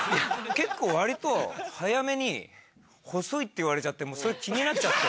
結構割と早めに細いって言われちゃってそれ気になっちゃって。